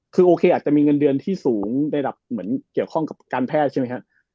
คือโอเคอาจจะมีเงินเดือนที่สูงระดับเหมือนเกี่ยวข้องกับการแพทย์ใช่ไหมครับ